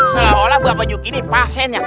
seolah olah bapak juki ini pasennya